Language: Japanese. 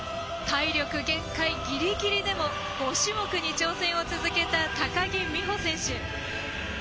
体力、限界ギリギリでも５種目に挑戦を続けた高木美帆選手。